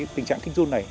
tình trạng kích run này